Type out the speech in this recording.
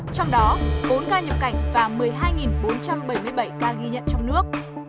trong đó bốn ca nhập cảnh và một mươi hai bốn trăm bảy mươi bảy ca ghi nhận trong nước